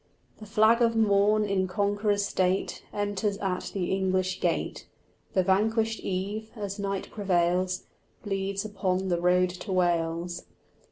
The flag of morn in conqueror's state Enters at the English gate: The vanquished eve, as night prevails, Bleeds upon the road to Wales.